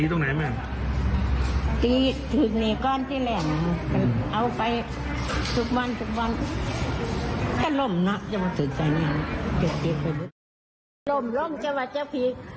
ก็ล้มหนักจะมาถือแสงนี้ล้มล้มจะมาเจ้าพีค